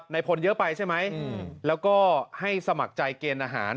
พลเยอะไปใช่ไหมแล้วก็ให้สมัครใจเกณฑ์อาหาร